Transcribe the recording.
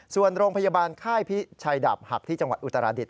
ส่วนโรงพยาบาลค่ายพิชัยดาบหักที่จังหวัดอุตราดิษ